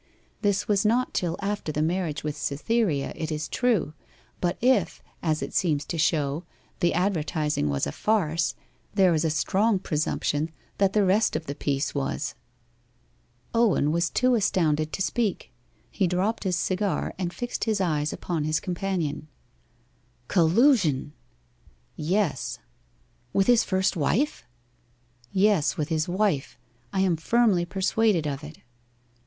This was not till after the marriage with Cytherea, it is true, but if (as it seems to show) the advertising was a farce, there is a strong presumption that the rest of the piece was.' Owen was too astounded to speak. He dropped his cigar, and fixed his eyes upon his companion. 'Collusion!' 'Yes.' 'With his first wife?' 'Yes with his wife. I am firmly persuaded of it.